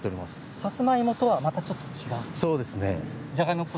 さつまいもとは、またちょっと違うそうですね。